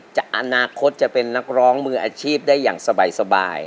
อนาคตจะเป็นนักร้องมืออาชีพได้อย่างสบาย